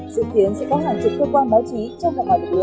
dự kiến sẽ có hàng chục cơ quan báo chí trong và ngoài lực lượng